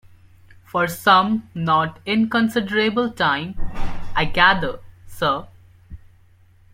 For some not inconsiderable time, I gather, sir.